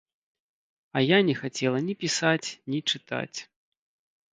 А я не хацела ні пісаць, ні чытаць!